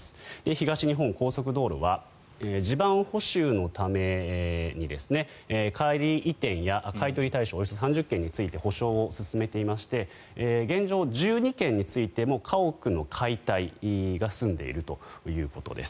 東日本高速道路は地盤補修のために仮移転や買い取り対象およそ３０件に対して補償を進めていまして現状、１２件についても家屋の解体が済んでいるということです。